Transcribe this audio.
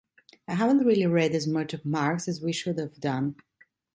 I haven't really read as much of Marx as we should have done.